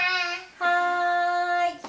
はい。